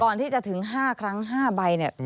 ก่อนที่จะถึง๕ครั้ง๕ใบเนี่ย